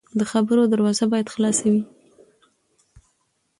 د خبرو دروازه باید خلاصه وي